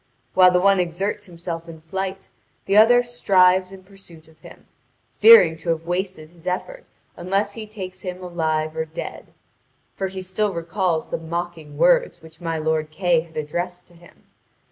While the one exerts himself in flight the other strives in pursuit of him, fearing to have wasted his effort unless he takes him alive or dead; for he still recalls the mocking words which my lord Kay had addressed to him.